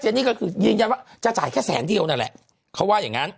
นี่ก็คือยืนยันว่าจะจ่ายแค่แสนเดียวนั่นแหละเขาว่าอย่างงั้น